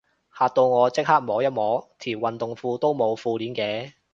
嚇到我即刻摸一摸，條運動褲都冇褲鏈嘅